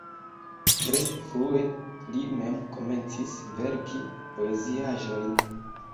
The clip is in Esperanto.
Tre frue li mem komencis verki poeziaĵojn.